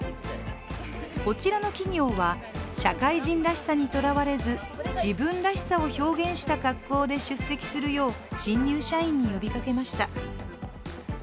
こちらの企業は、社会人らしさにとらわれず自分らしさを表現した格好で出席するよう新入社員に呼びかけました。